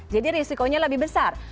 jadi risikonya lebih besar